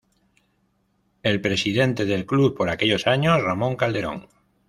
El presidente del club por aquellos años, Ramón Calderón.